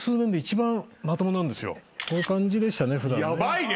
こういう感じでしたね普段ね。